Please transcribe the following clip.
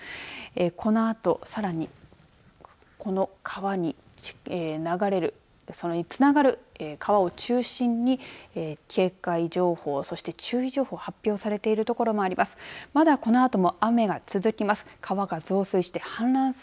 このあとさらにこの川に流れるそれにつながる川を中心に警戒情報そして注意情報、発表されているところもあります。